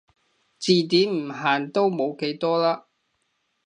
字典唔限都冇幾多啦